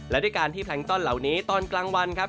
และด้วยการที่แพลงต้อนเหล่านี้ตอนกลางวันครับ